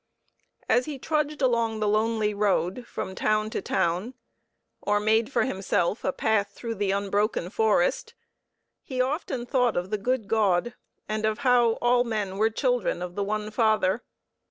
As he trudged along the lonely road from town to town, or made for himself a path through the unbroken forest, he often thought of the good God, and of how all men were children of the One Father.